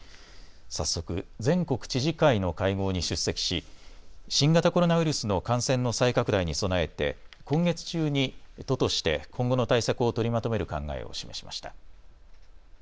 早速、全国知事会の会合に出席し新型コロナウイルスの感染の再拡大に備えて、今月中に都として今後の対策を取りまとめる考えを示しました。